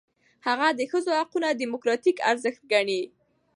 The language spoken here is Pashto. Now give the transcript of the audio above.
هغه د ښځو حقونه دموکراتیک ارزښت ګڼي.